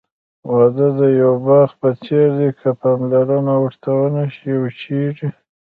واده د یوه باغ په څېر دی، که پاملرنه ورته ونشي، وچېږي.